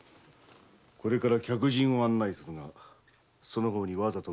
これから客人を案内するがその方にわざと負けてもらいたい。